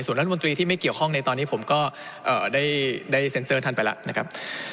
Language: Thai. รัฐมนตรีที่ไม่เกี่ยวข้องในตอนนี้ผมก็ได้เซ็นเซอร์ท่านไปแล้วนะครับ